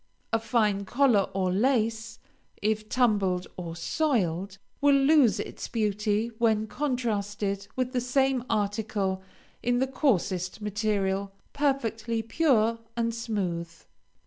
A fine collar or lace, if tumbled or soiled, will lose its beauty when contrasted with the same article in the coarsest material perfectly pure and smooth.